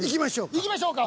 行きましょうか。